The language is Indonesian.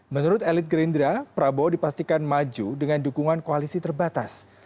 menurut elit gerindra prabowo dipastikan maju dengan dukungan koalisi terbatas